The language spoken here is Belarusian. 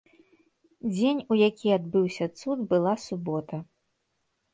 Дзень, у які адбыўся цуд, была субота.